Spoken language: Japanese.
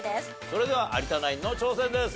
それでは有田ナインの挑戦です。